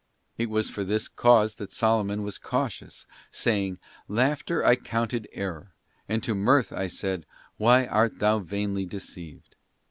It was for this cause that Solomon was cautious, saying: 'Laughter I counted error; and to mirth I said: Why art thou vainly deceived